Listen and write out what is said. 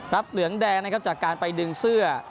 เหลืองแดงนะครับจากการไปดึงเสื้อ